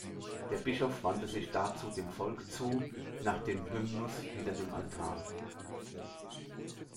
Der Bischof wandte sich dazu dem Volk zu, nach dem Hymnus wieder dem Altar.